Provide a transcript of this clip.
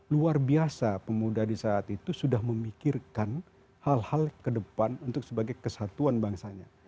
luar biasa pemuda di saat itu sudah memikirkan hal hal ke depan untuk sebagai kesatuan bangsanya